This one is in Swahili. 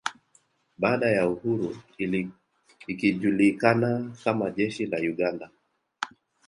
Baada ya uhuru ikijulikana kama jeshi la Uganda